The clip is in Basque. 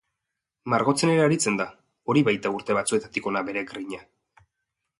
Margotzen ere aritzen da, hori baita urte batzuetatik hona bere grina.